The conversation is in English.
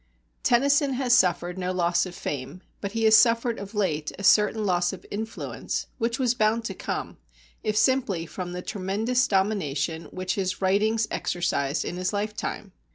Tennyson has suffered no loss of fame, but he has suffered of late a certain loss of influence, which was bound to come, if simply from the tremendous domination which his writings exercised in his lifetime.